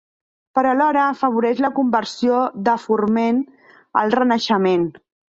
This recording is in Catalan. Però alhora afavoreix la conversió de Forment al renaixement.